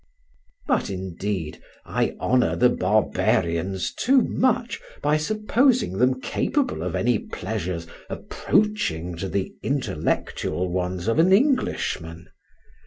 But, indeed, I honour the barbarians too much by supposing them capable of any pleasures approaching to the intellectual ones of an Englishman.